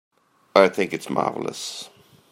I think it's marvelous.